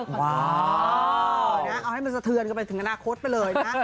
เอาให้มันสะเทือนกันไปถึงอนาคตไปเลยนะ